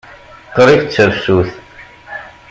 Qrib d tafsut.